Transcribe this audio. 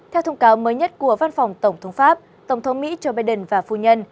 theo thông cáo mới nhất của văn phòng tổng thống pháp tổng thống mỹ joe biden và phu nhân